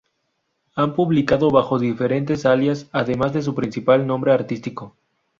Han publicado bajo diferentes alias además de su principal nombre artístico.